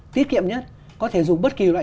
tiết kiệm nhất có thể dùng bất kỳ loại